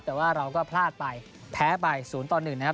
แต่ว่าเราก็พลาดไปแพ้ไป๐ต่อ๑นะครับ